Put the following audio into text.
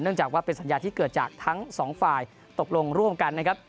จากว่าเป็นสัญญาที่เกิดจากทั้งสองฝ่ายตกลงร่วมกันนะครับ